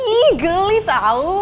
ih geli tau